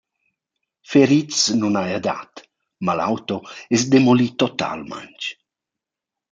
Ferits nun haja dat, ma l’auto es demoli totalmaing.